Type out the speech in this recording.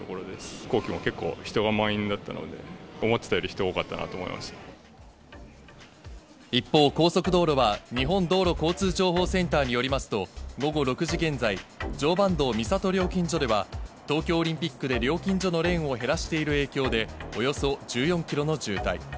飛行機も結構、人が満員だったので、思ってたより人多かったなと一方、高速道路は日本道路交通情報センターによりますと、午後６時現在、常磐道三郷料金所では、東京オリンピックで料金所のレーンを減らしている影響で、およそ１４キロの渋滞。